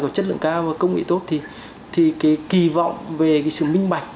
có chất lượng cao và công nghệ tốt thì kỳ vọng về sự minh bạch